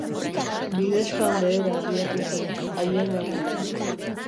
Bidexkan behera abiatu zen, haiengana.